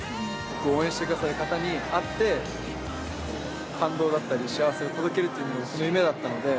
応援してくださる方に会って感動だったり幸せを届けるっていうのが僕の夢だったので。